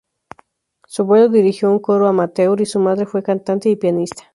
Su abuelo dirigió un coro amateur, y su madre fue cantante y pianista.